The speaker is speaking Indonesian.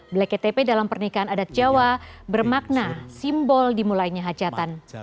bleket tepe dalam pernikahan adat jawa bermakna simbol dimulainya hajatan